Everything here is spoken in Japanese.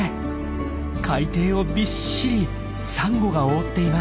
海底をびっしりサンゴが覆っています。